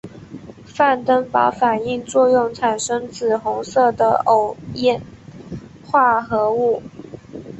范登堡反应作用产生紫红色的偶氮化合物。